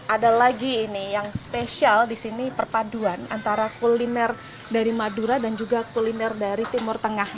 ada lagi ini yang spesial di sini perpaduan antara kuliner dari madura dan juga kuliner dari timur tengah